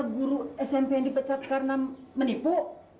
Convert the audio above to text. guru smp yang dipecat karena menipu